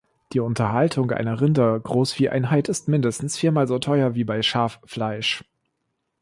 Die Unterhaltung einer Rinder-Großvieheinheit ist mindestens viermal so teuer wie bei Schaffleisch.